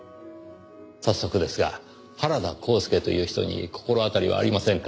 早速ですが原田幸助という人に心当たりはありませんか？